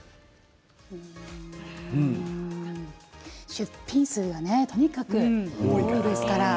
出品数がとにかく多いですから。